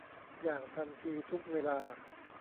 อย่างทันที ทุกเวลา